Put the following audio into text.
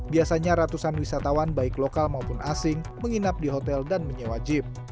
biasanya ratusan wisatawan baik lokal maupun asing menginap di hotel dan menyewa jeep